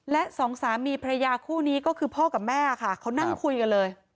และสองสามีพระยาคู่นี้ก็คือพ่อกับแม่ค่ะเขานั่งคุยกันเลย